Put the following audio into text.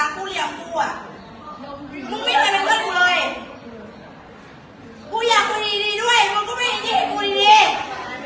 กูอยากกูดีดีด้วยมึงก็ไม่ที่เห็นกูดีดี